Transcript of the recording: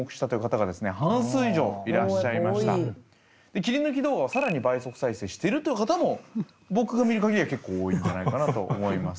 切り抜き動画を更に倍速再生しているという方も僕が見る限りは結構多いんじゃないかなと思います。